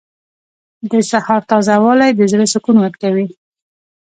• د سهار تازه والی د زړه سکون ورکوي.